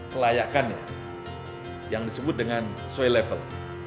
kelayakannya yang disebut dengan soil level